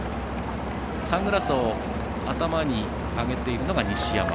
サングラスを頭に上げているのが西山。